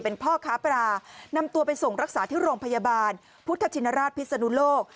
เป็นพ่อค้าปลานำตัวไปส่งรักษาที่โรงพยาบาลพุทธชินราชพิศนุโลก